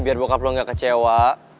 biar bocor lo gak kecewa